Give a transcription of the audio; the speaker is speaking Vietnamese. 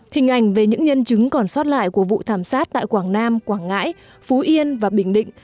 hình ảnh về những nhân chứng còn sót lại của vụ thảm sát tại quảng nam quảng ngãi phú yên và bình định